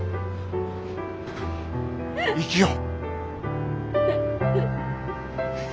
生きよう。